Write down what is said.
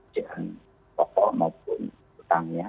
jangan toko maupun utangnya